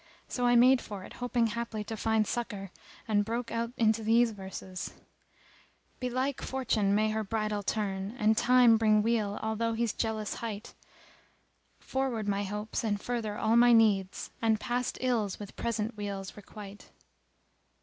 [FN#282] So I made for it hoping haply to find succour, and broke out into these verses:— "Belike my Fortune may her bridle turn * And Time bring weal although he's jealous hight; Forward my hopes, and further all my needs, * And passed ills with present weals requite."